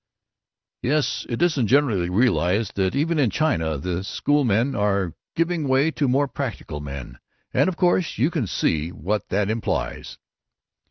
"Yes. It isn't generally realized that even in China the schoolmen are giving way to more practical men, and of course you can see what that implies."